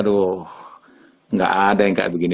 aduh gak ada yang kayak begini